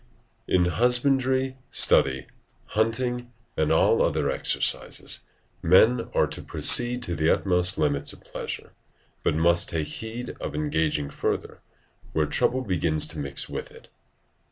In husbandry, study, hunting, and all other exercises, men are to proceed to the utmost limits of pleasure, but must take heed of engaging further, where trouble begins to mix with it.